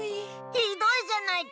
ひどいじゃないか！